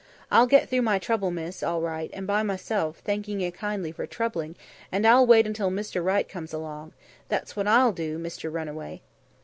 I'll get through my trouble, miss, all right, an' by meself, thanking you kindly for troubling, an' I'll wait until Mister Right comes along; that's what I'll do, Mister Runaway."